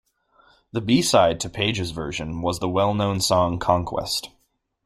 The b-side to Page's version was the well-known song Conquest.